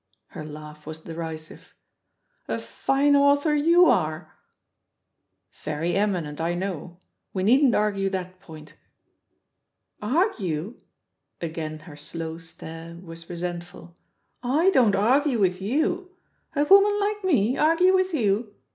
Her laugh was deri sive. "A fine author you are I" "Very eminent, I know! ^e needn't argue that point." "Argue?" Again her slow stare was resent ful. ^'I don't argue with you. A woman like me argue with you?